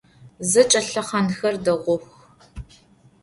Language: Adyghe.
Zeç'e lhexhanexer değux.